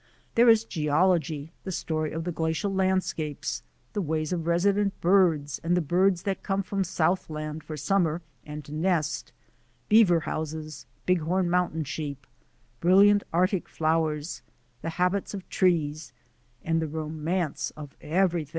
There is geology, the story of the glacial landscapes, the ways of resident birds and the birds that come from southland for summer and to nest; beaver houses, Bighorn moun tain sheep, brilliant Arctic flowers, the habits of trees, and the romance of everything.